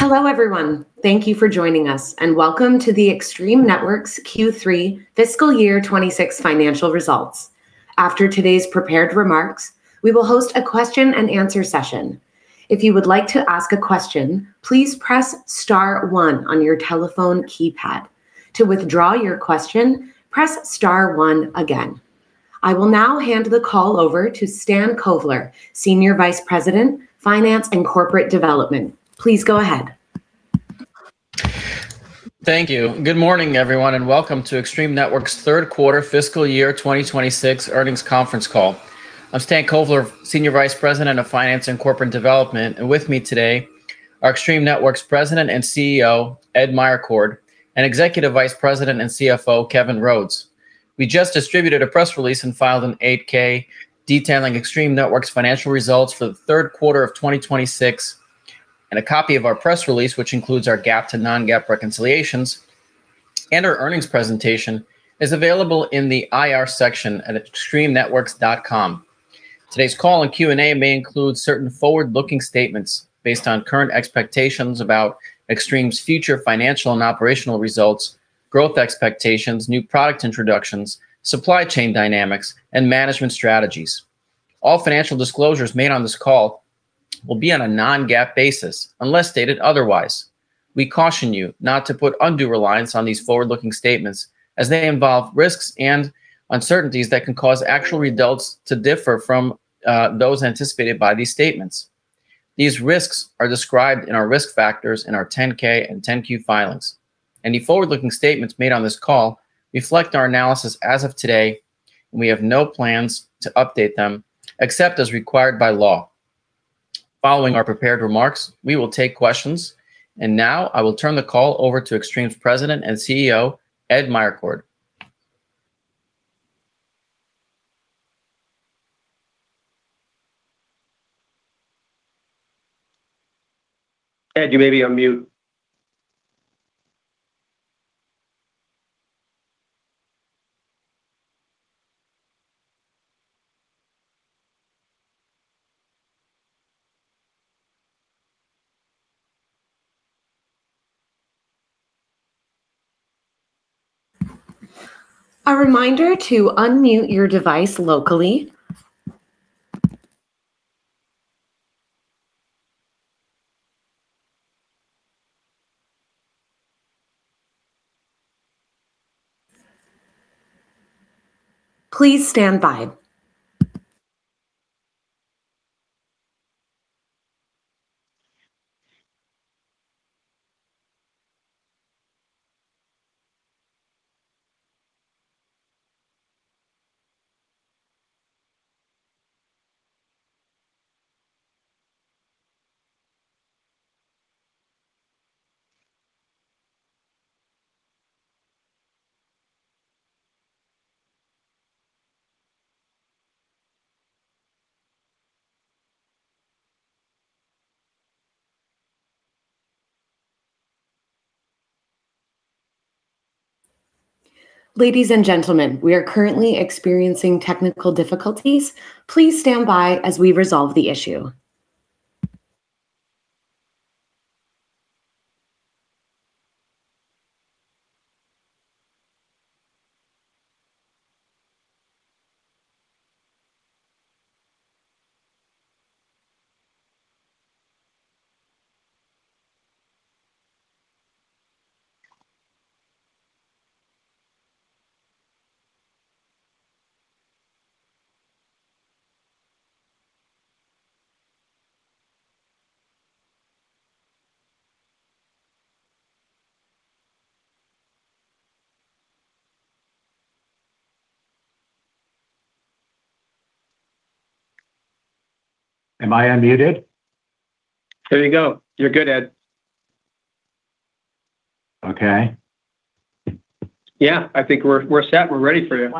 Hello, everyone. Thank you for joining us, welcome to the Extreme Networks Q3 FY 2026 financial results. After today's prepared remarks, we will host a question and answer session. If you would like to ask a question, please press star one on your telephone keypad. To withdraw your question, press star one again. I will now hand the call over to Stan Kovler, Senior Vice President, Finance and Corporate Development. Please go ahead. Thank you. Good morning, everyone, and welcome to Extreme Networks' third quarter fiscal year 2026 earnings conference call. I'm Stan Kovler, Senior Vice President of Finance and Corporate Development. With me today are Extreme Networks President and CEO, Ed Meyercord, and Executive Vice President and CFO, Kevin Rhodes. We just distributed a press release and filed an 8-K detailing Extreme Networks' financial results for the third quarter of 2026. A copy of our press release, which includes our GAAP to non-GAAP reconciliations, and our earnings presentation is available in the IR section at extremenetworks.com. Today's call and Q&A may include certain forward-looking statements based on current expectations about Extreme's future financial and operational results, growth expectations, new product introductions, supply chain dynamics, and management strategies. All financial disclosures made on this call will be on a non-GAAP basis, unless stated otherwise. We caution you not to put undue reliance on these forward-looking statements as they involve risks and uncertainties that can cause actual results to differ from those anticipated by these statements. These risks are described in our risk factors in our 10-K and 10-Q filings. Any forward-looking statements made on this call reflect our analysis as of today. We have no plans to update them except as required by law. Following our prepared remarks, we will take questions. Now I will turn the call over to Extreme's President and CEO, Ed Meyercord. Ed, you may be on mute. Ladies and gentlemen, we are currently experiencing technical difficulties. Please stand by as we resolve the issue. Am I unmuted? There you go. You're good, Ed. Okay. Yeah, I think we're set. We're ready for you.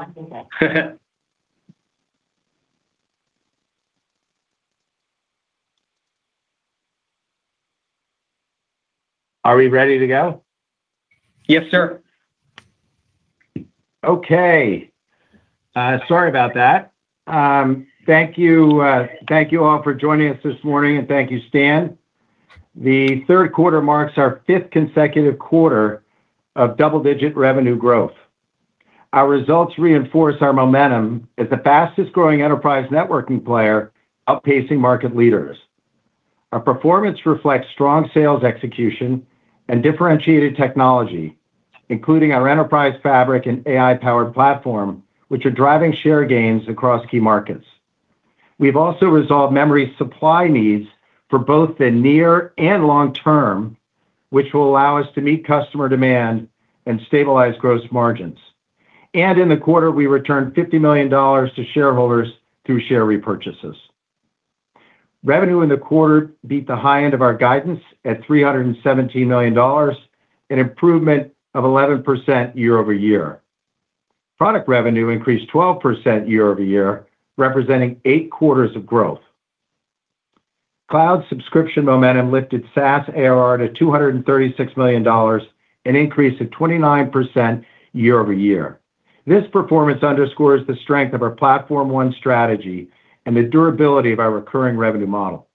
Are we ready to go? Yes, sir. Sorry about that. Thank you. Thank you all for joining us this morning, and thank you, Stan. The third quarter marks our fifth consecutive quarter of double-digit revenue growth. Our results reinforce our momentum as the fastest-growing enterprise networking player, outpacing market leaders. Our performance reflects strong sales execution and differentiated technology, including our enterprise fabric and AI-powered platform, which are driving share gains across key markets. We've also resolved memory supply needs for both the near and long term, which will allow us to meet customer demand and stabilize gross margins. In the quarter, we returned $50 million to shareholders through share repurchases. Revenue in the quarter beat the high end of our guidance at $317 million, an improvement of 11% year-over-year. Product revenue increased 12% year-over-year, representing eight quarters of growth. Cloud subscription momentum lifted SaaS ARR to $236 million, an increase of 29% year-over-year. This performance underscores the strength of our Platform ONE strategy and the durability of our recurring revenue model.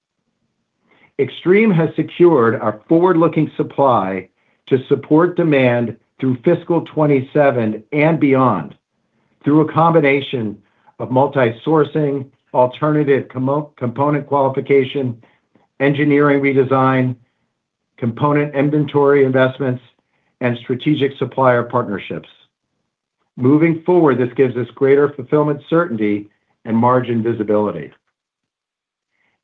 Extreme has secured our forward-looking supply to support demand through fiscal 2027 and beyond through a combination of multi-sourcing, alternative component qualification, engineering redesign, component inventory investments, and strategic supplier partnerships. This gives us greater fulfillment certainty and margin visibility.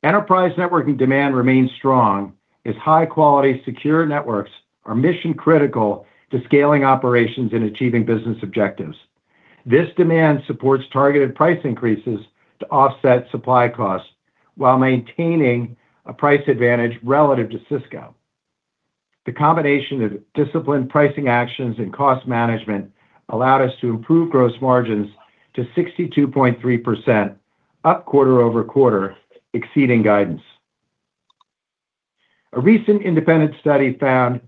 Enterprise networking demand remains strong as high-quality, secure networks are mission-critical to scaling operations and achieving business objectives. This demand supports targeted price increases to offset supply costs while maintaining a price advantage relative to Cisco. The combination of disciplined pricing actions and cost management allowed us to improve gross margins to 62.3%, up quarter-over-quarter, exceeding guidance. A recent independent study found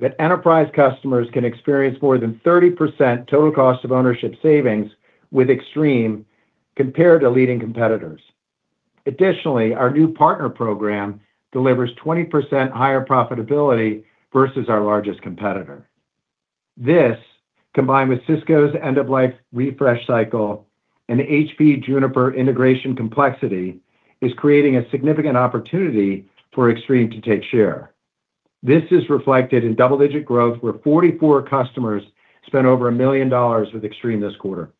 that enterprise customers can experience more than 30% total cost of ownership savings with Extreme compared to leading competitors. Additionally, our new partner program delivers 20% higher profitability versus our largest competitor. This, combined with Cisco's end-of-life refresh cycle and HPE Juniper integration complexity, is creating a significant opportunity for Extreme to take share. This is reflected in double-digit growth, where 44 customers spent over $1 million with Extreme this quarter.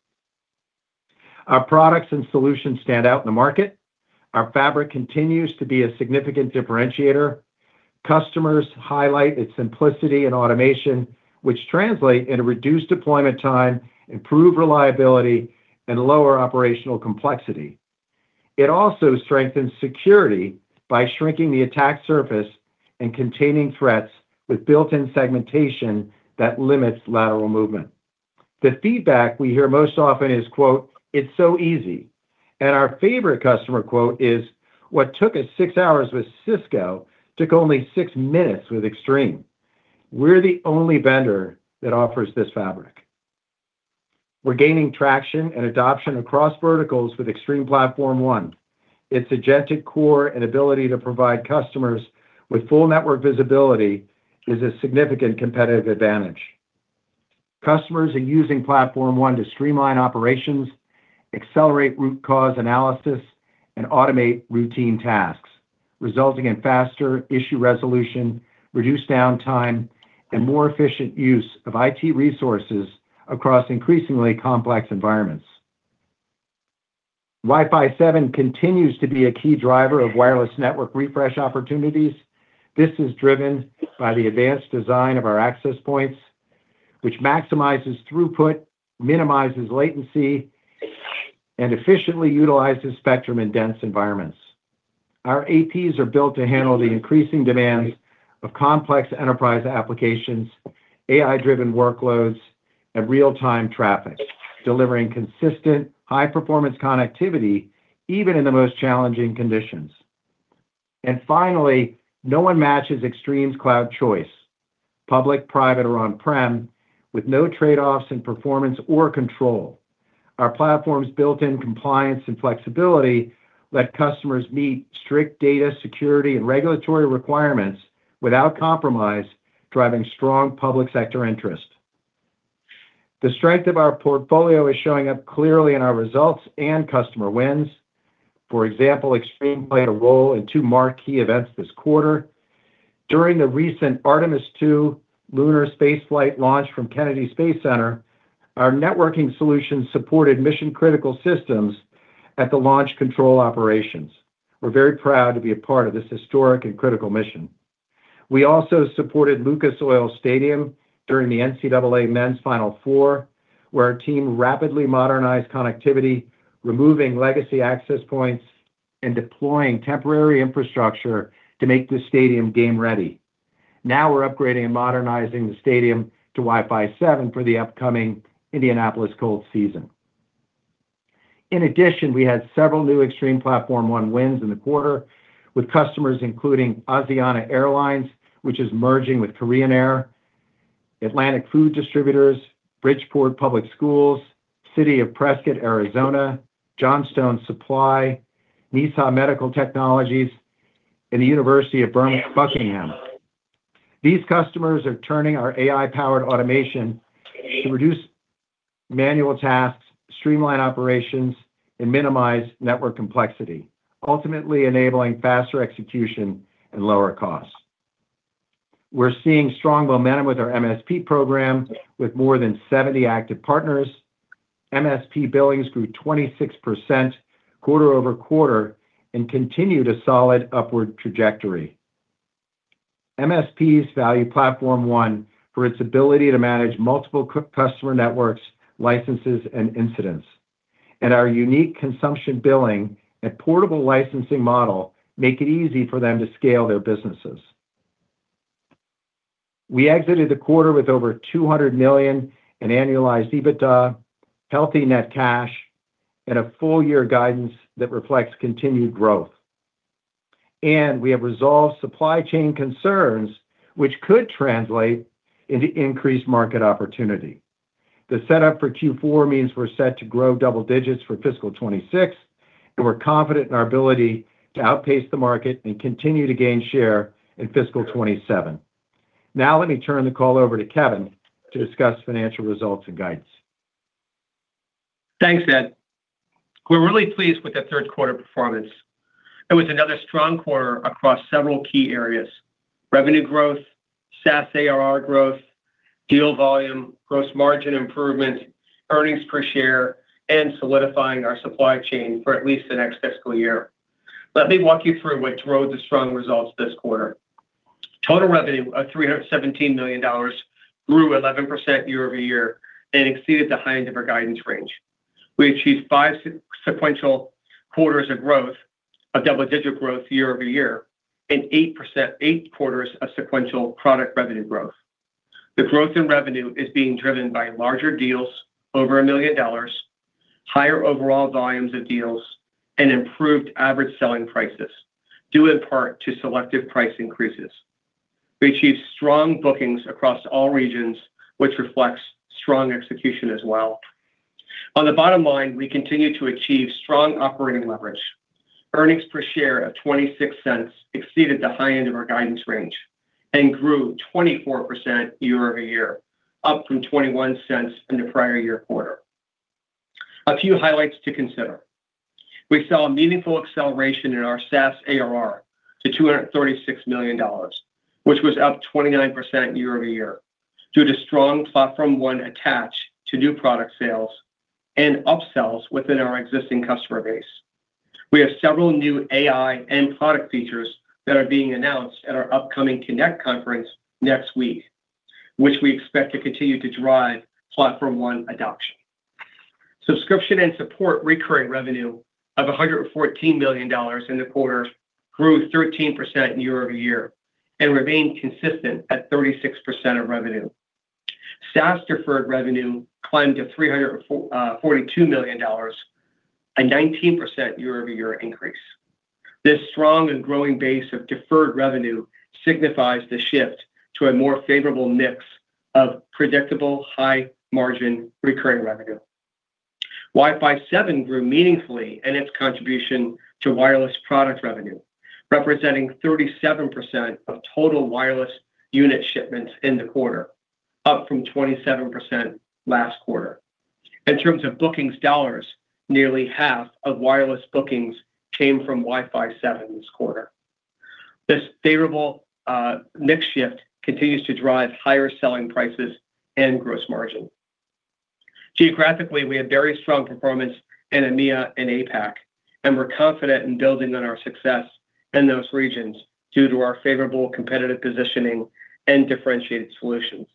Our products and solutions stand out in the market. Our fabric continues to be a significant differentiator. Customers highlight its simplicity and automation, which translate into reduced deployment time, improved reliability, and lower operational complexity. It also strengthens security by shrinking the attack surface and containing threats with built-in segmentation that limits lateral movement. The feedback we hear most often is, quote, "It's so easy." Our favorite customer quote is, "What took us six hours with Cisco took only six minutes with Extreme." We're the only vendor that offers this fabric. We're gaining traction and adoption across verticals with Extreme Platform ONE. Its agentic core and ability to provide customers with full network visibility is a significant competitive advantage. Customers are using Platform ONE to streamline operations, accelerate root cause analysis, and automate routine tasks, resulting in faster issue resolution, reduced downtime, and more efficient use of IT resources across increasingly complex environments. Wi-Fi 7 continues to be a key driver of wireless network refresh opportunities. This is driven by the advanced design of our access points, which maximizes throughput, minimizes latency, and efficiently utilizes spectrum in dense environments. Our APs are built to handle the increasing demands of complex enterprise applications, AI-driven workloads, and real-time traffic, delivering consistent high-performance connectivity even in the most challenging conditions. Finally, no one matches Extreme's cloud choice, public, private, or on-prem, with no trade-offs in performance or control. Our platform's built-in compliance and flexibility let customers meet strict data security and regulatory requirements without compromise, driving strong public sector interest. The strength of our portfolio is showing up clearly in our results and customer wins. For example, Extreme played a role in two marquee events this quarter. During the recent Artemis II lunar space flight launch from Kennedy Space Center, our networking solutions supported mission-critical systems at the launch control operations. We're very proud to be a part of this historic and critical mission. We also supported Lucas Oil Stadium during the NCAA Men's Final Four, where our team rapidly modernized connectivity, removing legacy access points and deploying temporary infrastructure to make the stadium game-ready. Now we're upgrading and modernizing the stadium to Wi-Fi 7 for the upcoming Indianapolis Colts season. In addition, we had several new Extreme Platform ONE wins in the quarter with customers including Asiana Airlines, which is merging with Korean Air, Atlantic Food Distributors, Bridgeport Public Schools, City of Prescott, Arizona, Johnstone Supply, Nissha Medical Technologies, and the University of Birmingham, Buckingham. These customers are turning our AI-powered automation to reduce manual tasks, streamline operations, and minimize network complexity, ultimately enabling faster execution and lower costs. We're seeing strong momentum with our MSP program, with more than 70 active partners. MSP billings grew 26% quarter-over-quarter and continued a solid upward trajectory. MSPs value Platform ONE for its ability to manage multiple customer networks, licenses, and incidents. Our unique consumption billing and portable licensing model make it easy for them to scale their businesses. We exited the quarter with over $200 million in annualized EBITDA, healthy net cash, and a full year guidance that reflects continued growth. We have resolved supply chain concerns which could translate into increased market opportunity. The setup for Q4 means we're set to grow double digits for fiscal 2026, and we're confident in our ability to outpace the market and continue to gain share in fiscal 2027. Let me turn the call over to Kevin to discuss financial results and guidance. Thanks, Ed. We're really pleased with the third quarter performance. It was another strong quarter across several key areas: revenue growth, SaaS ARR growth, deal volume, gross margin improvement, earnings per share, and solidifying our supply chain for at least the next fiscal year. Let me walk you through what drove the strong results this quarter. Total revenue of $317 million grew 11% year-over-year and exceeded the high end of our guidance range. We achieved five sequential quarters of growth, of double-digit growth year-over-year and 8%, 8 quarters of sequential product revenue growth. The growth in revenue is being driven by larger deals over $1 million, higher overall volumes of deals and improved ASPs due in part to selective price increases. We achieved strong bookings across all regions, which reflects strong execution as well. On the bottom line, we continued to achieve strong operating leverage. Earnings per share of $0.26 exceeded the high end of our guidance range and grew 24% year-over-year, up from $0.21 in the prior year quarter. A few highlights to consider. We saw a meaningful acceleration in our SaaS ARR to $236 million, which was up 29% year-over-year due to strong Platform ONE attach to new product sales and upsells within our existing customer base. We have several new AI and product features that are being announced at our upcoming CONNECT conference next week, which we expect to continue to drive Platform ONE adoption. Subscription and support recurring revenue of $114 million in the quarter grew 13% year-over-year and remained consistent at 36% of revenue. SaaS deferred revenue climbed to $342 million, a 19% year-over-year increase. This strong and growing base of deferred revenue signifies the shift to a more favorable mix of predictable, high margin recurring revenue. Wi-Fi 7 grew meaningfully in its contribution to wireless product revenue, representing 37% of total wireless unit shipments in the quarter, up from 27% last quarter. In terms of bookings dollars, nearly half of wireless bookings came from Wi-Fi 7 this quarter. This favorable mix shift continues to drive higher selling prices and gross margin. Geographically, we had very strong performance in EMEA and APAC, and we're confident in building on our success in those regions due to our favorable competitive positioning and differentiated solutions.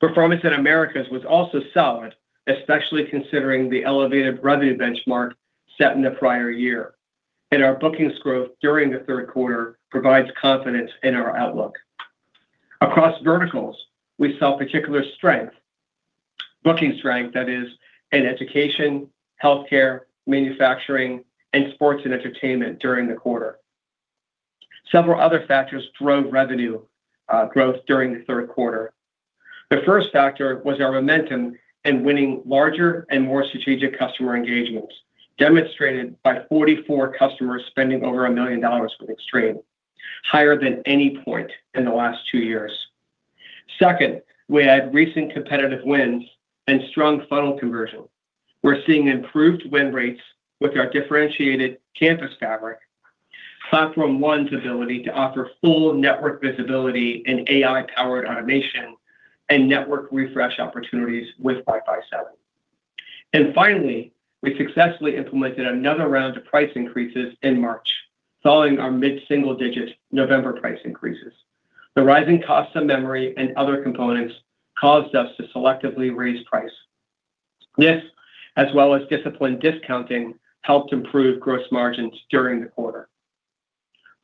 Performance in Americas was also solid, especially considering the elevated revenue benchmark set in the prior year. Our bookings growth during the third quarter provides confidence in our outlook. Across verticals, we saw particular strength, booking strength that is in education, healthcare, manufacturing and sports and entertainment during the quarter. Several other factors drove revenue growth during the third quarter. The first factor was our momentum in winning larger and more strategic customer engagements, demonstrated by 44 customers spending over $1 million with Extreme, higher than any point in the last two years. Second, we had recent competitive wins and strong funnel conversion. We're seeing improved win rates with our differentiated campus fabric, Platform ONE's ability to offer full network visibility and AI-powered automation and network refresh opportunities with Wi-Fi 7. Finally, we successfully implemented another round of price increases in March, following our mid-single digit November price increases. The rising costs of memory and other components caused us to selectively raise price. This, as well as disciplined discounting, helped improve gross margins during the quarter.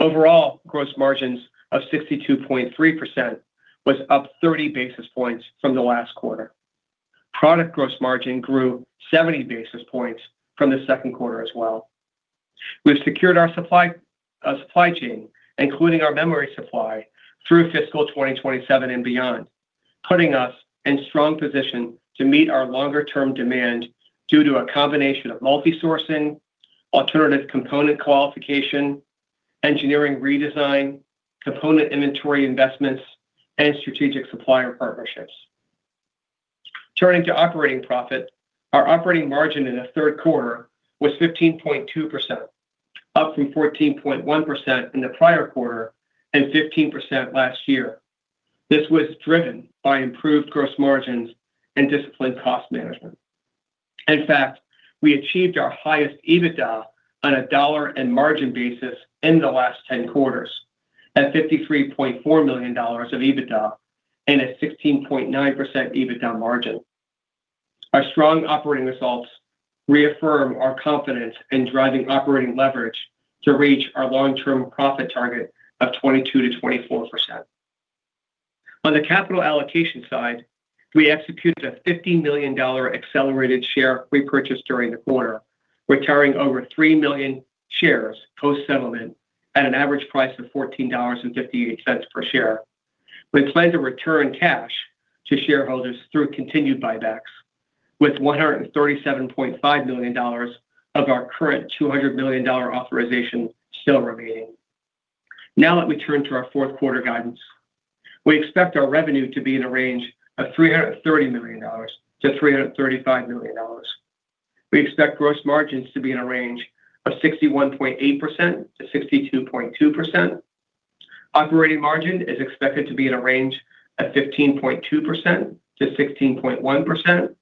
Overall, gross margins of 62.3% was up 30 basis points from the last quarter. Product gross margin grew 70 basis points from the second quarter as well. We've secured our supply chain, including our memory supply, through fiscal 2027 and beyond, putting us in strong position to meet our longer term demand due to a combination of multi-sourcing, alternative component qualification, engineering redesign, component inventory investments and strategic supplier partnerships. Turning to operating profit, our operating margin in the third quarter was 15.2%, up from 14.1% in the prior quarter and 15% last year. This was driven by improved gross margins and disciplined cost management. In fact, we achieved our highest EBITDA on a dollar and margin basis in the last 10 quarters at $53.4 million of EBITDA and a 16.9% EBITDA margin. Our strong operating results reaffirm our confidence in driving operating leverage to reach our long-term profit target of 22%-24%. On the capital allocation side, we executed a $50 million accelerated share repurchase during the quarter, retiring over 3 million shares post-settlement at an average price of $14.58 per share. We plan to return cash to shareholders through continued buybacks with $137.5 million of our current $200 million authorization still remaining. Now let me turn to our 4th quarter guidance. We expect our revenue to be in a range of $330 million-$335 million. We expect gross margins to be in a range of 61.8%-62.2%. Operating margin is expected to be in a range of 15.2%-16.1%.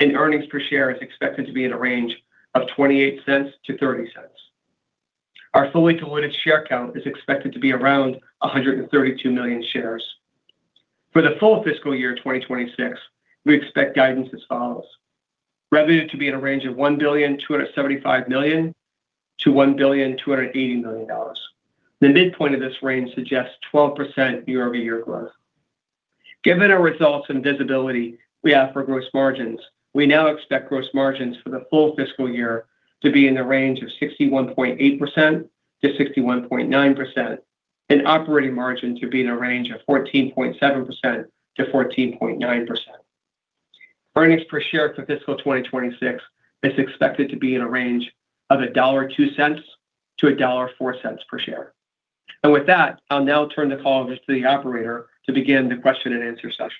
Earnings per share is expected to be in a range of $0.28-$0.30. Our fully diluted share count is expected to be around 132 million shares. For the full fiscal year 2026, we expect guidance as follows. Revenue to be in a range of $1,275 million-$1,280 million. The midpoint of this range suggests 12% year-over-year growth. Given our results and visibility we have for gross margins, we now expect gross margins for the full fiscal year to be in the range of 61.8%-61.9%, and operating margin to be in a range of 14.7%-14.9%. Earnings per share for fiscal 2026 is expected to be in a range of $1.02-$1.04 per share. With that, I'll now turn the call over to the operator to begin the question and answer session.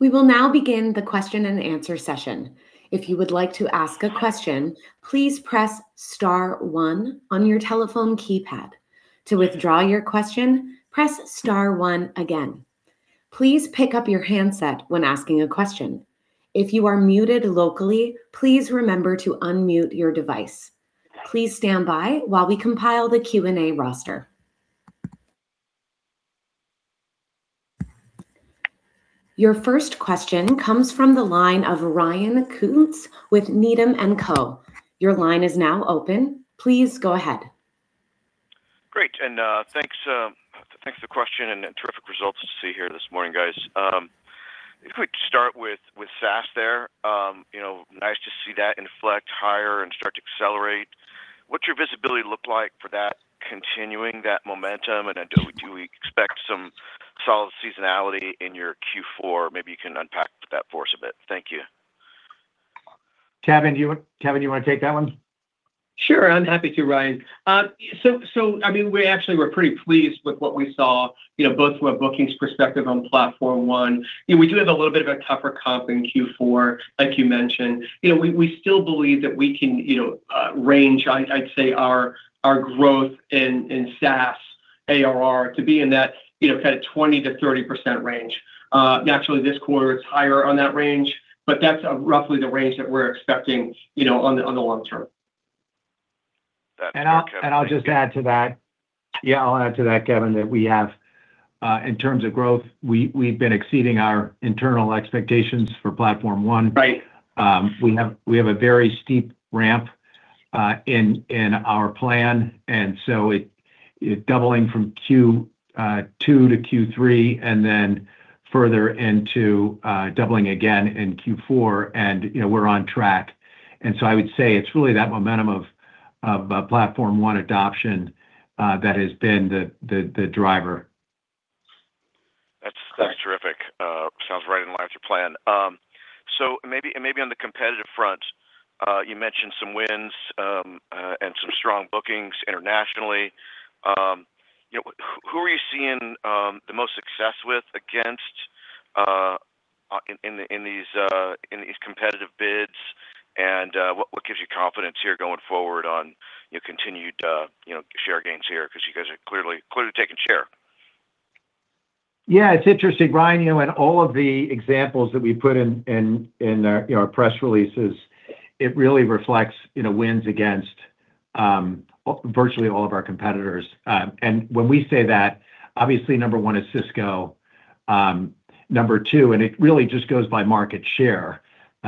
We will now begin the question and answer session. If you would like to ask a question, please press star one on your telephone keypad. To withdraw your question, press star one again. Please pick up your handset when asking a question. If you are muted locally, please remember to unmute your device. Please stand by while we compile the Q&A roster. Your first question comes from the line of Ryan Koontz with Needham & Co. Please go ahead. Great. Thanks for the question and terrific results to see here this morning, guys. If we could start with SaaS there. You know, nice to see that inflect higher and start to accelerate. What's your visibility look like for that continuing that momentum? Do we expect some solid seasonality in your Q4? Maybe you can unpack that for us a bit. Thank you. Kevin, do you want to take that one? Sure. I'm happy to, Ryan. I mean, we actually were pretty pleased with what we saw, you know, both from a bookings perspective on Platform ONE. You know, we do have a little bit of a tougher comp in Q4, like you mentioned. You know, we still believe that we can, you know, range our growth in SaaS ARR to be in that, you know, kind of 20%-30% range. Naturally this quarter it's higher on that range, that's roughly the range that we're expecting, you know, on the long term. That's great. I'll just add to that. Yeah, I'll add to that, Kevin, that we have in terms of growth, we've been exceeding our internal expectations for Platform ONE. Right. We have a very steep ramp in our plan. It doubling from Q2 to Q3, and then further into doubling again in Q4 and, you know, we're on track. I would say it's really that momentum of Platform ONE adoption that has been the driver. That's terrific. Sounds right in line with your plan. Maybe on the competitive front, you mentioned some wins, and some strong bookings internationally. You know, who are you seeing the most success with against in these competitive bids? What gives you confidence here going forward on, you know, continued, you know, share gains here? You guys are clearly taking share. Yeah, it's interesting, Ryan. You know, in all of the examples that we put in our press releases, it really reflects, you know, wins against virtually all of our competitors. When we say that, obviously number one is Cisco. Number two, it really just goes by market share.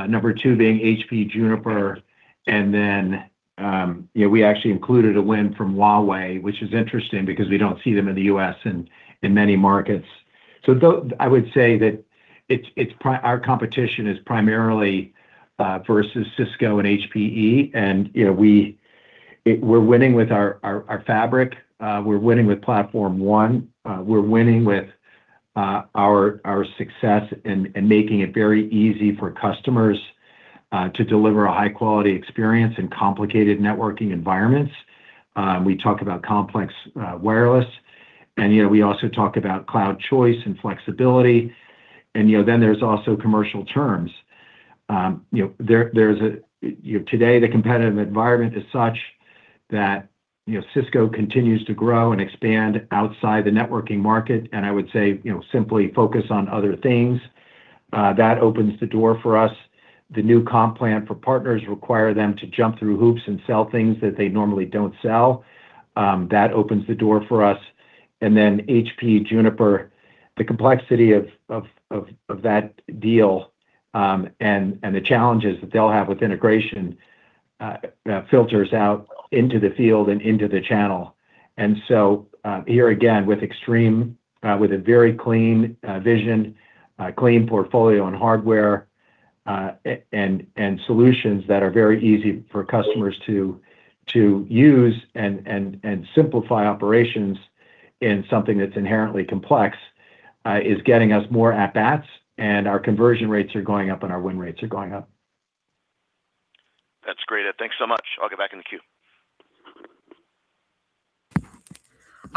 Number two being HPE Juniper. Then, you know, we actually included a win from Huawei, which is interesting because we don't see them in the U.S. in many markets. I would say that it's our competition is primarily versus Cisco and HPE. You know, we're winning with our fabric. We're winning with Platform One. We're winning with our success in making it very easy for customers to deliver a high quality experience in complicated networking environments. We talk about complex wireless. You know, we also talk about cloud choice and flexibility. You know, then there's also commercial terms. You know, there's a, you know, today the competitive environment is such that, you know, Cisco continues to grow and expand outside the networking market, and I would say, you know, simply focus on other things. That opens the door for us. The new comp plan for partners require them to jump through hoops and sell things that they normally don't sell. That opens the door for us. Then HPE Juniper, the complexity of that deal, and the challenges that they'll have with integration, filters out into the field and into the channel. So here again, with Extreme, with a very clean vision, a clean portfolio in hardware, and solutions that are very easy for customers to use and simplify operations in something that's inherently complex, is getting us more at bats, and our conversion rates are going up and our win rates are going up. That's great. Thanks so much. I'll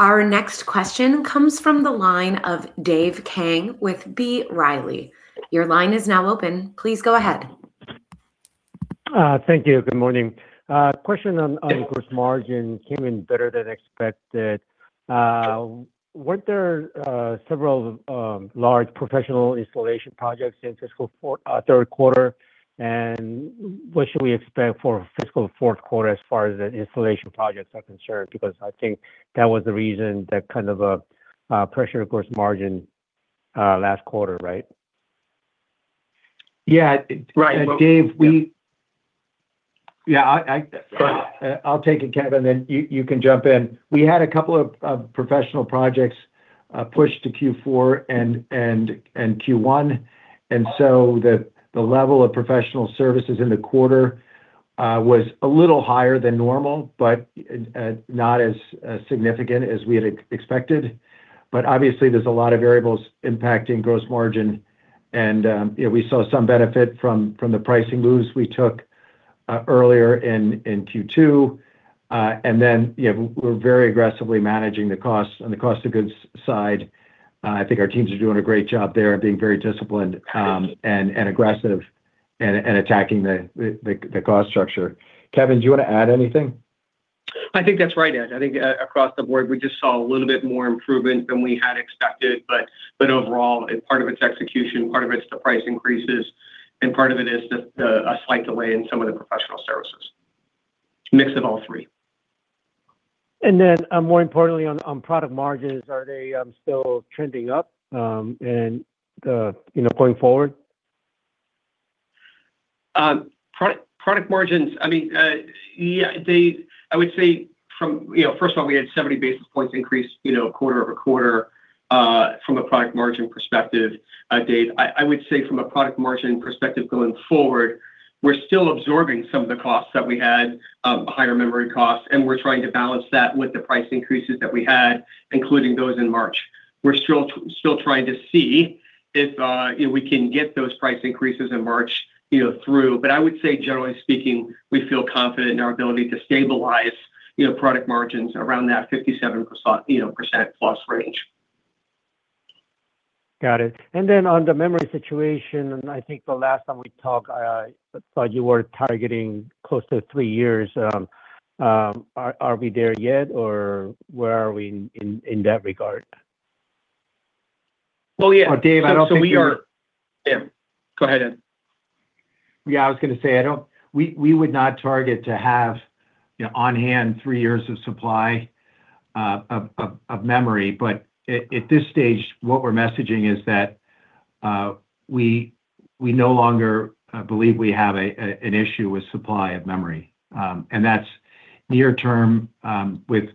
get back in the queue. Our next question comes from the line of Dave Kang with B. Riley. Your line is now open. Please go ahead. Thank you. Good morning. Question on gross margin came in better than expected. Weren't there several large professional installation projects in fiscal third quarter, and what should we expect for fiscal fourth quarter as far as the installation projects are concerned? Because I think that was the reason that kind of pressured gross margin last quarter, right? Yeah. Right. Dave. Yeah. Yeah. Go ahead. I'll take it, Kevin, and then you can jump in. We had a couple of professional projects pushed to Q4 and Q1, the level of professional services in the quarter was a little higher than normal, not as significant as we had expected. Obviously there's a lot of variables impacting gross margin, you know, we saw some benefit from the pricing moves we took earlier in Q2. You know, we're very aggressively managing the costs on the cost of goods side. I think our teams are doing a great job there of being very disciplined, aggressive and attacking the cost structure. Kevin, do you want to add anything? I think that's right, Ed. I think across the board, we just saw a little bit more improvement than we had expected, but overall part of it's execution, part of it's the price increases, and part of it is the a slight delay in some of the professional services. Mix of all three. Then, more importantly, on product margins, are they still trending up, and, you know, going forward? Product margins, I mean, first of all, we had 70 basis points increase, you know, quarter-over-quarter from a product margin perspective, Dave. I would say from a product margin perspective going forward, we're still absorbing some of the costs that we had, higher memory costs, and we're trying to balance that with the price increases that we had, including those in March. We're still trying to see if, you know, we can get those price increases in March, you know, through. I would say generally speaking, we feel confident in our ability to stabilize, you know, product margins around that 57%, you know, plus range. Got it. Then on the memory situation, and I think the last time we talked, I thought you were targeting close to three years. Are we there yet, or where are we in that regard? Well, yeah. Dave, I don't think. Yeah, go ahead, Ed. Yeah, I was going to say, We would not target to have, you know, on-hand three years of supply of memory. At this stage, what we're messaging is that we no longer believe we have an issue with supply of memory. That's near term, with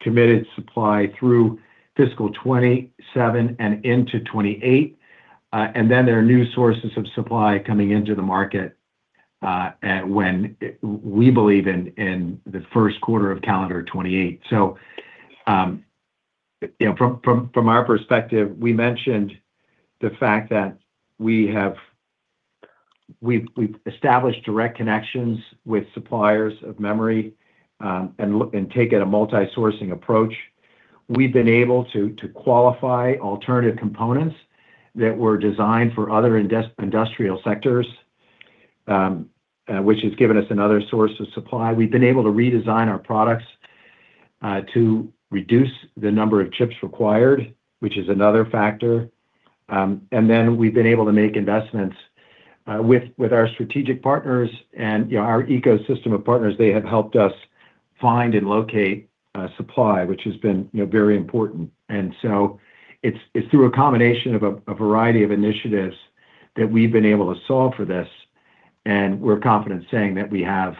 committed supply through fiscal 2027 and into 2028. There are new sources of supply coming into the market when we believe in the first quarter of calendar 2028. You know, from our perspective, we mentioned the fact that we've established direct connections with suppliers of memory and taken a multi-sourcing approach. We've been able to qualify alternative components that were designed for other industrial sectors, which has given us another source of supply. We've been able to redesign our products to reduce the number of chips required, which is another factor. Then we've been able to make investments with our strategic partners and, you know, our ecosystem of partners, they have helped us find and locate supply, which has been, you know, very important. It's through a combination of a variety of initiatives that we've been able to solve for this, and we're confident saying that we have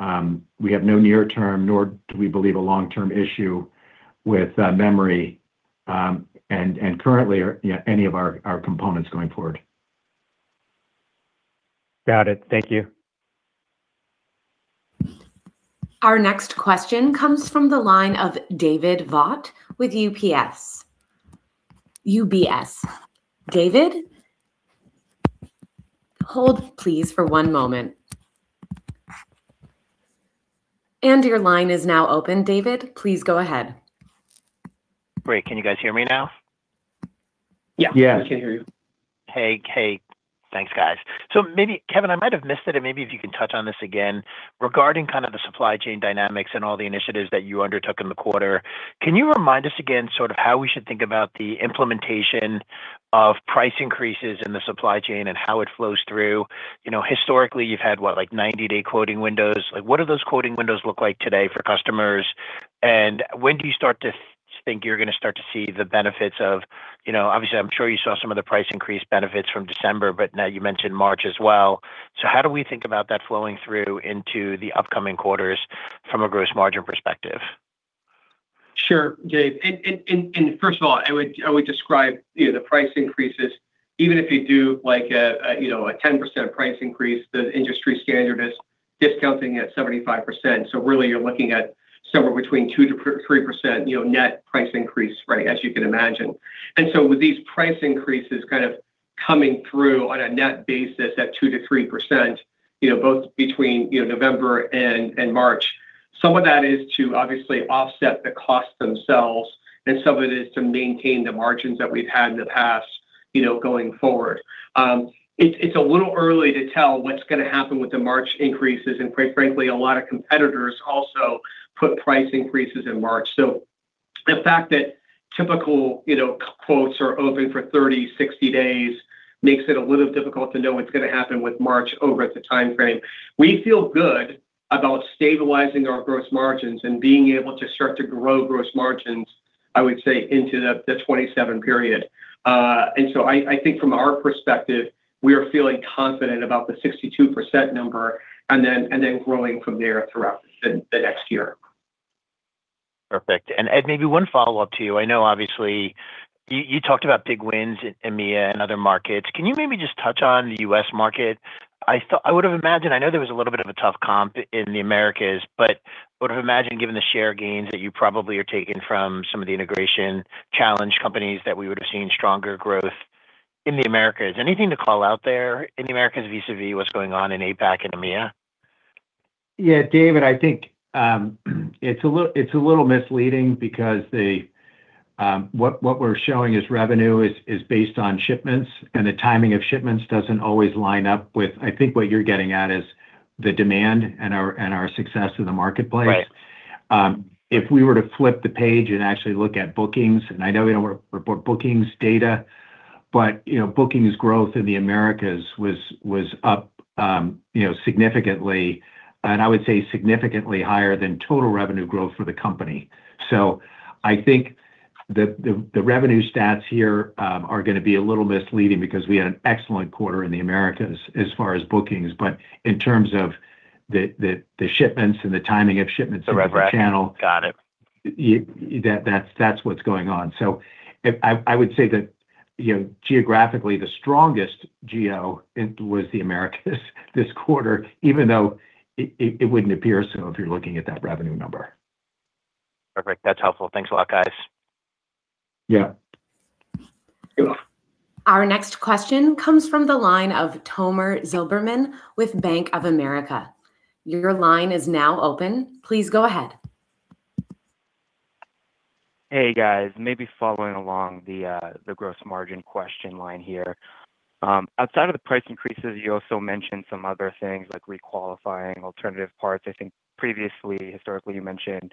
no near term, nor do we believe a long-term issue with memory, and currently or, you know, any of our components going forward. Got it. Thank you. Our next question comes from the line of David Vogt with UBS. UBS. David? Hold please for one moment. Your line is now open, David. Please go ahead. Great. Can you guys hear me now? Yeah. Yeah. We can hear you. Hey. Hey. Thanks, guys. Maybe, Kevin, I might have missed it, and maybe if you can touch on this again. Regarding kind of the supply chain dynamics and all the initiatives that you undertook in the quarter, can you remind us again sort of how we should think about the implementation of price increases in the supply chain and how it flows through? You know, historically you've had what, like, 90-day quoting windows. What do those quoting windows look like today for customers, and when do you start to think you're going to start to see the benefits of, you know, obviously, I'm sure you saw some of the price increase benefits from December, but now you mentioned March as well. How do we think about that flowing through into the upcoming quarters from a gross margin perspective? Sure, Dave. First of all, I would describe, you know, the price increases, even if you do like a, you know, a 10% price increase, the industry standard is discounting at 75%, so really you're looking at somewhere between 2%-3%, you know, net price increase, right? As you can imagine. With these price increases kind of coming through on a net basis at 2%-3%, you know, both between, you know, November and March, some of that is to obviously offset the costs themselves, and some of it is to maintain the margins that we've had in the past, you know, going forward. It's a little early to tell what's gonna happen with the March increases, and quite frankly, a lot of competitors also put price increases in March. The fact that typical, you know, quotes are open for 30, 60 days makes it a little difficult to know what's gonna happen with March over the timeframe. We feel good about stabilizing our gross margins and being able to start to grow gross margins, I would say, into the 2027 period. I think from our perspective, we are feeling confident about the 62% number, and then growing from there throughout the next year. Perfect. Ed, maybe one follow-up to you. I know obviously you talked about big wins in EMEA and other markets. Can you maybe just touch on the U.S. market? I would've imagined, I know there was a little bit of a tough comp in the Americas, but would've imagined given the share gains that you probably are taking from some of the integration challenged companies, that we would've seen stronger growth in the Americas. Anything to call out there in the Americas vis-a-vis what's going on in APAC and EMEA? Yeah, David, I think, it's a little misleading because the, what we're showing as revenue is based on shipments, and the timing of shipments doesn't always line up with. I think what you're getting at is the demand and our success in the marketplace. Right. If we were to flip the page and actually look at bookings, I know we don't report bookings data, but, you know, bookings growth in the Americas was up, you know, significantly, and I would say significantly higher than total revenue growth for the company. I think the revenue stats here are gonna be a little misleading because we had an excellent quarter in the Americas as far as bookings. In terms of the shipments and the timing of shipments through the channel. The rev rec. Got it That's what's going on. I would say that, you know, geographically the strongest GO in, was the Americas this quarter, even though it wouldn't appear so if you're looking at that revenue number. Perfect. That's helpful. Thanks a lot, guys. Yeah. Yeah. Our next question comes from the line of Tomer Zilberman with Bank of America. Your line is now open. Please go ahead. Hey, guys. Maybe following along the gross margin question line here. Outside of the price increases, you also mentioned some other things like re-qualifying alternative parts. I think previously, historically, you mentioned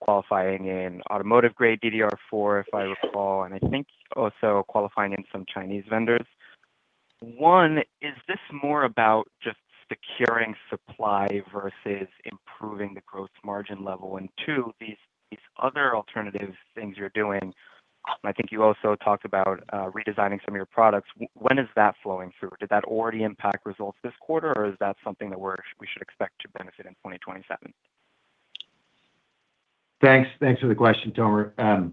qualifying in automotive grade DDR4, if I recall, and I think also qualifying in some Chinese vendors. One, is this more about just securing supply versus improving the gross margin level? Two, these other alternative things you're doing, and I think you also talked about redesigning some of your products, when is that flowing through? Did that already impact results this quarter, or is that something that we should expect to benefit in 2027? Thanks. Thanks for the question, Tomer.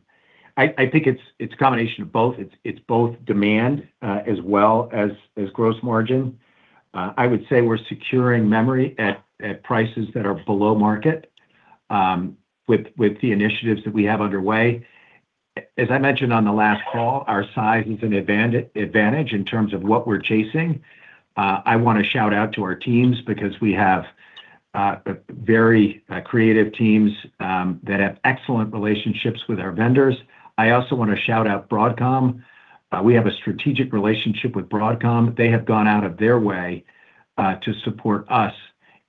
I think it's a combination of both. It's both demand as well as gross margin. I would say we're securing memory at prices that are below market with the initiatives that we have underway. As I mentioned on the last call, our size is an advantage in terms of what we're chasing. I wanna shout out to our teams because we have very creative teams that have excellent relationships with our vendors. I also wanna shout out Broadcom. We have a strategic relationship with Broadcom. They have gone out of their way to support us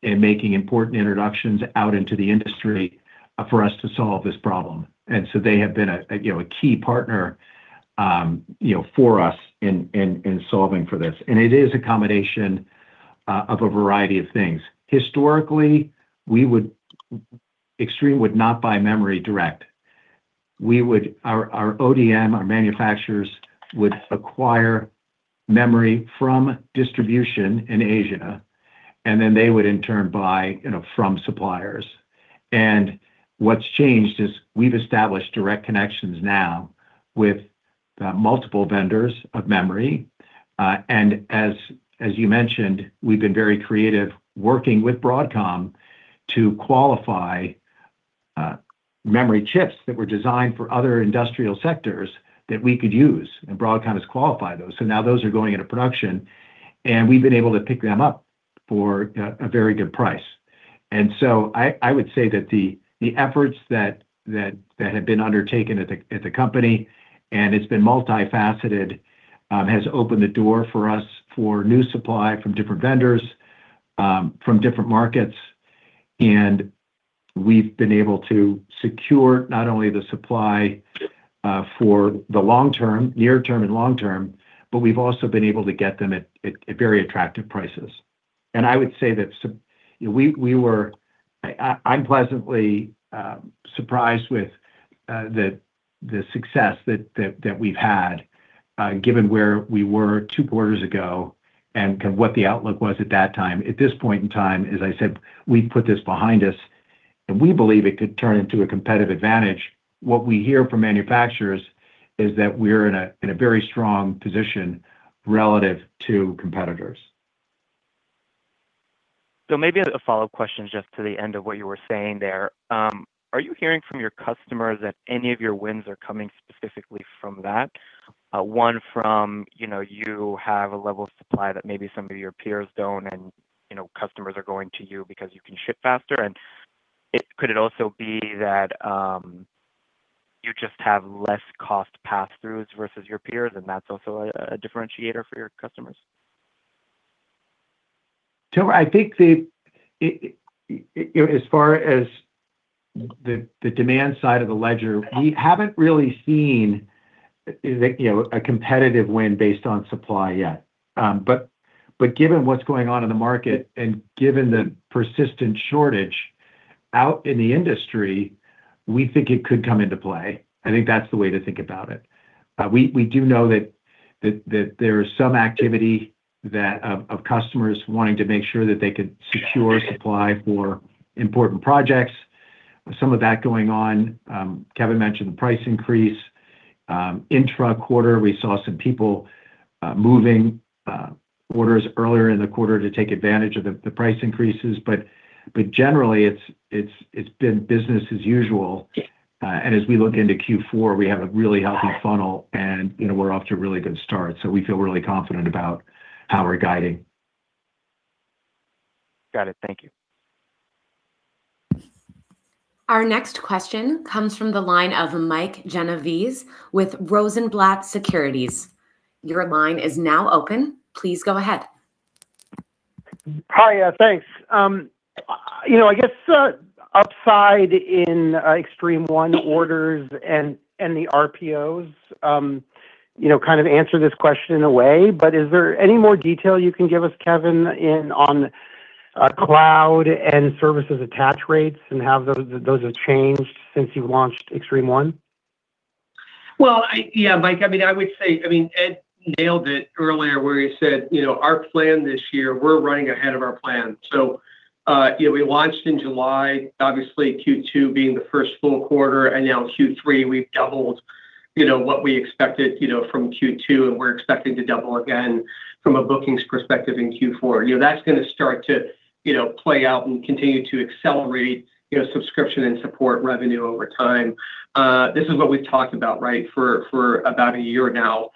in making important introductions out into the industry for us to solve this problem. They have been, you know, a key partner, you know, for us in solving for this. It is a combination of a variety of things. Historically, Extreme would not buy memory direct. Our ODM, our manufacturers would acquire memory from distribution in Asia, and then they would in turn buy, you know, from suppliers. What's changed is we've established direct connections now with multiple vendors of memory. As you mentioned, we've been very creative working with Broadcom to qualify memory chips that were designed for other industrial sectors that we could use, and Broadcom has qualified those. Now those are going into production, and we've been able to pick them up for a very good price. I would say that the efforts that have been undertaken at the company, and it's been multifaceted, has opened the door for us for new supply from different vendors, from different markets, and we've been able to secure not only the supply for the long term, near term and long term, but we've also been able to get them at very attractive prices. I would say that, you know, I'm pleasantly surprised with the success that we've had given where we were two quarters ago and kind of what the outlook was at that time. At this point in time, as I said, we've put this behind us, and we believe it could turn into a competitive advantage. What we hear from manufacturers is that we're in a very strong position relative to competitors. Maybe a follow-up question just to the end of what you were saying there. Are you hearing from your customers that any of your wins are coming specifically from that? One from, you know, you have a level of supply that maybe some of your peers don't, and, you know, customers are going to you because you can ship faster. Could it also be that you just have less cost passthroughs versus your peers, and that's also a differentiator for your customers? I think the, you know, as far as the demand side of the ledger, we haven't really seen, you know, a competitive win based on supply yet. Given what's going on in the market and given the persistent shortage out in the industry, we think it could come into play. I think that's the way to think about it. We do know there is some activity of customers wanting to make sure that they could secure supply for important projects. Some of that is going on. Kevin mentioned the price increase. Intra-quarter, we saw some people moving orders earlier in the quarter to take advantage of the price increases. Generally, it's been business as usual. Yeah. As we look into Q4, we have a really healthy funnel, and, you know, we're off to a really good start. We feel really confident about how we're guiding. Got it. Thank you. Our next question comes from the line of Mike Genovese with Rosenblatt Securities. Your line is now open. Please go ahead. Hi. Yeah, thanks. You know, I guess, upside in Extreme One orders and the RPOs, you know, kind of answered this question in a way, but is there any more detail you can give us, Kevin, on cloud and services attach rates and how those have changed since you've launched Extreme One? Yeah, Mike, I mean, I would say, Ed nailed it earlier where he said, you know, our plan this year, we're running ahead of our plan. You know, we launched in July, obviously Q2 being the first full quarter, and now Q3 we've doubled, you know, what we expected, you know, from Q2, and we're expecting to double again from a bookings perspective in Q4. You know, that's gonna start to, you know, play out and continue to accelerate, you know, subscription and support revenue over time. This is what we've talked about, right, for about a year now,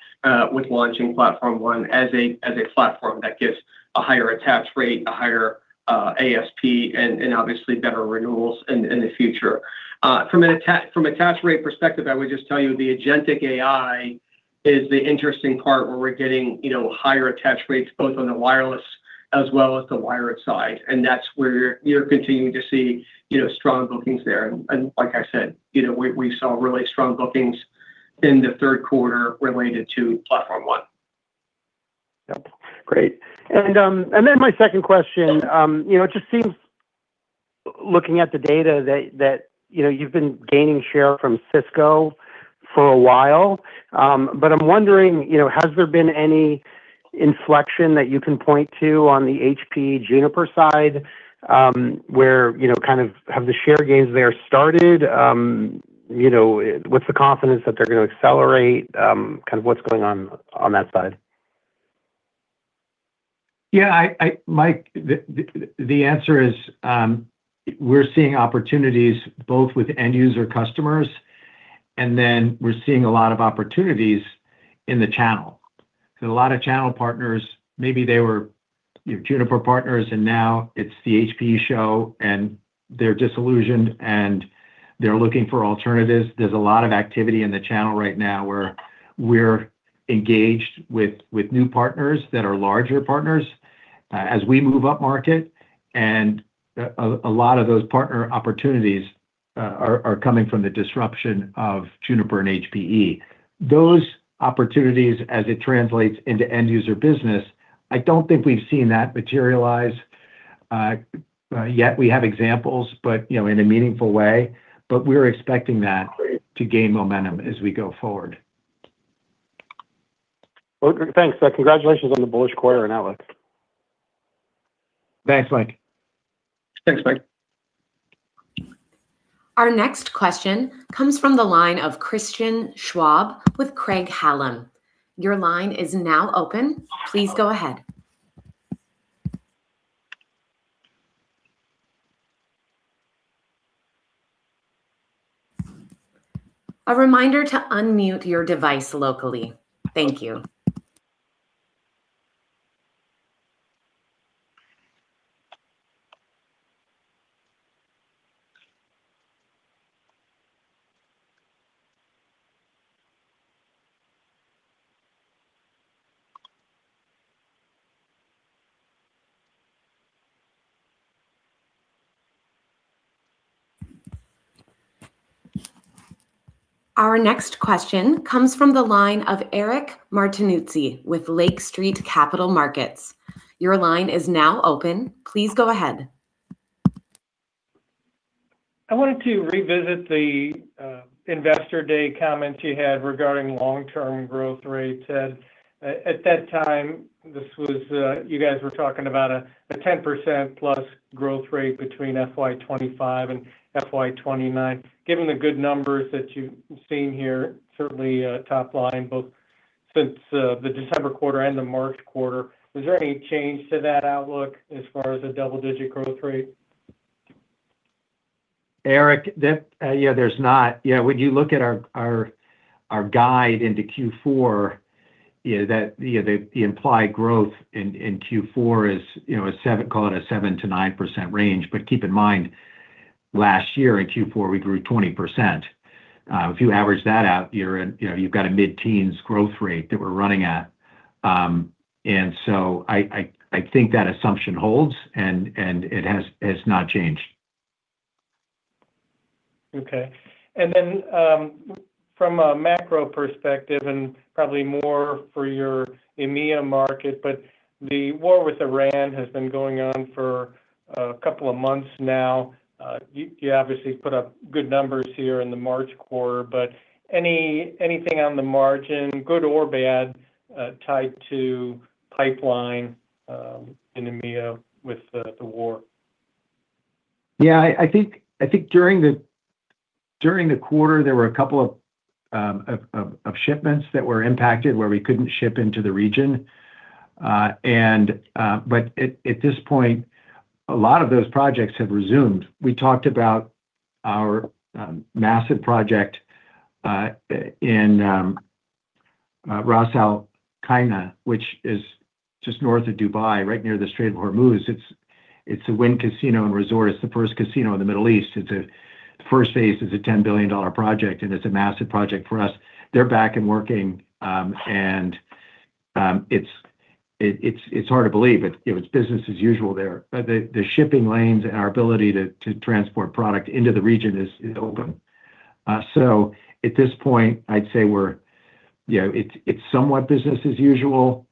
with launching Extreme Platform ONE as a platform that gives a higher attach rate, a higher ASP, and obviously better renewals in the future. From an attach rate perspective, I would just tell you the agentic AI is the interesting part where we're getting, you know, higher attach rates both on the wireless as well as the wired side, and that's where you're continuing to see, you know, strong bookings there. Like I said, you know, we saw really strong bookings in the third quarter related to Platform ONE. Yep. Great. Then my second question. You know, it just seems, looking at the data that, you know, you've been gaining share from Cisco for a while. I'm wondering, you know, has there been any inflection that you can point to on the HPE Juniper side, where, you know, kind of have the share gains there started? You know, what's the confidence that they're gonna accelerate? Kind of what's going on on that side? Yeah. I, Mike, the answer is, we're seeing opportunities both with end user customers, and then we're seeing a lot of opportunities in the channel. There's a lot of channel partners, maybe they were, you know, Juniper partners and now it's the HPE show, and they're disillusioned, and they're looking for alternatives. There's a lot of activity in the channel right now where we're engaged with new partners that are larger partners, as we move up market, and a lot of those partner opportunities are coming from the disruption of Juniper and HPE. Those opportunities, as it translates into end user business, I don't think we've seen that materialize yet. We have examples, but, you know, in a meaningful way, but we're expecting that to gain momentum as we go forward. Well, thanks. Congratulations on the bullish quarter and outlook. Thanks, Mike. Thanks, Mike. Our next question comes from the line of Christian Schwab with Craig-Hallum. Your line is now open. Please go ahead. A reminder to umute your device locally. Thank you. Our next question comes from the line of Eric Martinuzzi with Lake Street Capital Markets. Your line is now open. Please go ahead. I wanted to revisit the investor day comments you had regarding long-term growth rates, Ed. At that time, you guys were talking about a 10% plus growth rate between FY 2025 and FY 2029. Given the good numbers that you've seen here, certainly, top line both since the December quarter and the March quarter, was there any change to that outlook as far as the double-digit growth rate? Eric, there's not. When you look at our, our guide into Q4, the implied growth in Q4 is a 7%-9% range. Keep in mind, last year in Q4, we grew 20%. If you average that out, you've got a mid-teens growth rate that we're running at. I think that assumption holds and it has not changed. Okay. From a macro perspective, probably more for your EMEA market, the war with Iran has been going on for a couple of months now. You obviously put up good numbers here in the March quarter, anything on the margin, good or bad, tied to pipeline, in EMEA with the war? I think during the quarter, there were a couple of shipments that were impacted where we couldn't ship into the region. At this point, a lot of those projects have resumed. We talked about our massive project in Ras Al Khaimah, which is just north of Dubai, right near the Strait of Hormuz. It's a Wynn casino and resort. It's the first casino in the Middle East. The first phase is a $10 billion project, it's a massive project for us. They're back and working, it's hard to believe it, you know, it's business as usual there. The shipping lanes and our ability to transport product into the region is open. At this point, I'd say we're, you know, it's somewhat business as usual.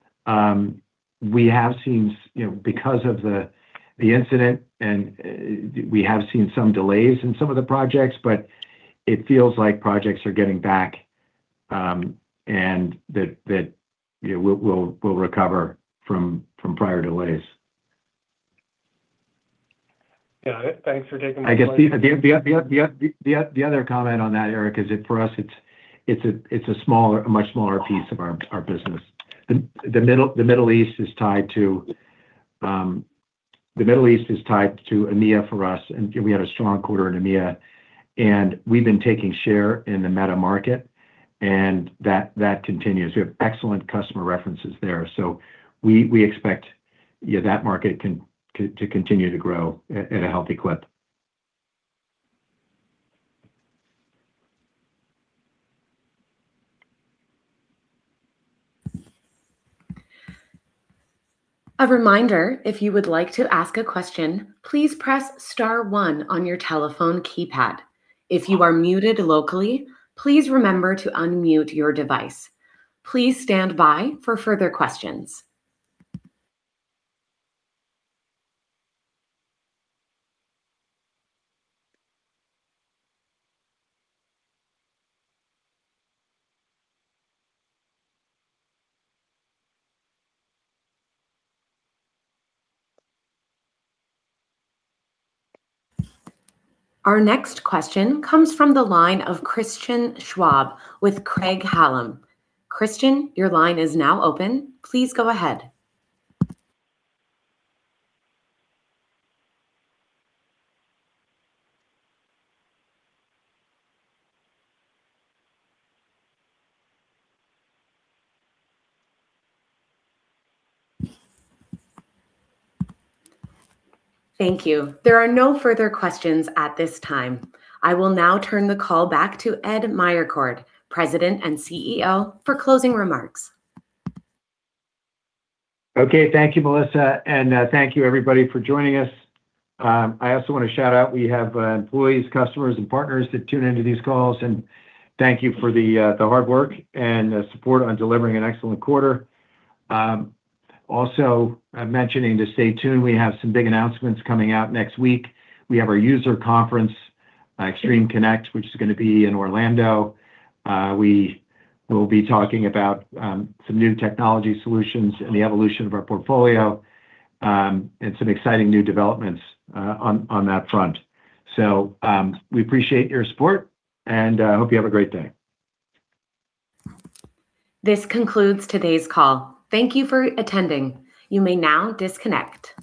We have seen, you know, because of the incident and we have seen some delays in some of the projects, but it feels like projects are getting back, and that, you know, we'll recover from prior delays. Yeah. Thanks for taking my questions. I guess the other comment on that, Eric, is that for us, it's a smaller, a much smaller piece of our business. The Middle East is tied to EMEA for us, and we had a strong quarter in EMEA. We've been taking share in the EMEA market, and that continues. We have excellent customer references there. We expect, you know, that market can continue to grow at a healthy clip. A reminder, if you would like to ask a question, please press star one on your telephone keypad. If you are muted locally, please remember to unmute your device. Please stand by for further questions. Our next question comes from the line of Christian Schwab with Craig-Hallum. Christian, your line is now open. Please go ahead. Thank you. There are no further questions at this time. I will now turn the call back to Ed Meyercord, President and CEO, for closing remarks. Okay. Thank you, Melissa, thank you everybody for joining us. I also want to shout out, we have employees, customers, and partners that tune into these calls, thank you for the hard work and support on delivering an excellent quarter. Also mentioning to stay tuned. We have some big announcements coming out next week. We have our user conference, Extreme Connect, which is gonna be in Orlando. We will be talking about some new technology solutions and the evolution of our portfolio, some exciting new developments on that front. We appreciate your support, hope you have a great day. This concludes today's call. Thank you for attending. You may now disconnect.